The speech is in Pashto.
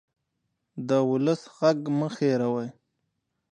د ولس غږ مه هېروئ